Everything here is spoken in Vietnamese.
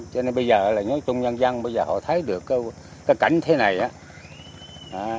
cho nên bây giờ là nói chung nhân dân bây giờ họ thấy được cái cảnh thế này á